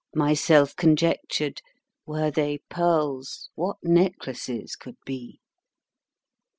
Myself conjectured, Were they pearls, What necklaces could be!